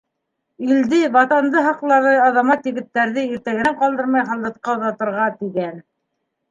Илде, Ватанды һаҡларҙай аҙамат егеттәрҙе иртәгәнән ҡалдырмай һалдатҡа оҙатырға, тигән.